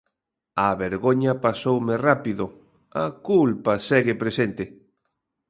A vergoña pasoume rápido, a culpa segue presente.